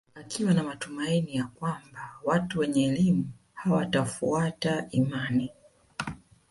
Akiwa na matumanini ya kwamba watu wenye elimu hawatafuata imani